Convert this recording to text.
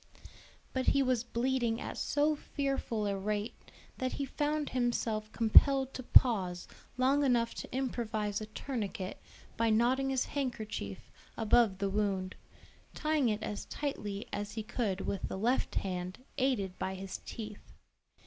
But he was bleeding at so fearful a rate that he found himself compelled to pause long enough to improvise a tourniquet by knotting his handkerchief above the wound, tying it as tightly as he could with the left hand aided by his teeth.